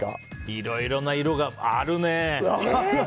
いろいろな色があるね。